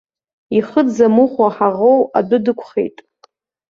Ихы дзамыхәо ҳаӷоу адәы дықәхеит.